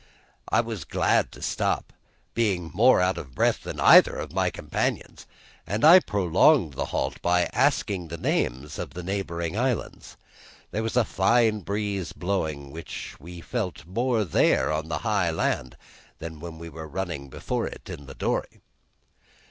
I was glad to stop, being more out of breath than either of my companions, and I prolonged the halt by asking the names of the neighboring islands. There was a fine breeze blowing, which we felt more there on the high land than when we were running before it in the dory.